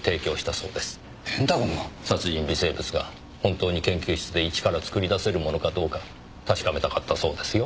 殺人微生物が本当に研究室で一から作り出せるものかどうか確かめたかったそうですよ。